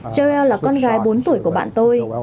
joel là con gái bốn tuổi của bạn tôi